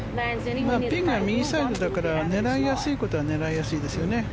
ピンが右サイドだから狙いやすいことは狙いやすいですよね。